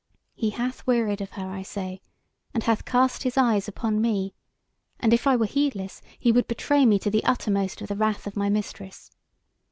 He hath wearied of her, I say, and hath cast his eyes upon me, and if I were heedless, he would betray me to the uttermost of the wrath of my mistress.